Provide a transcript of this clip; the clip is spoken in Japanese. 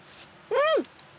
うん！